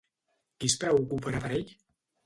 Qui es preocuparà per ell?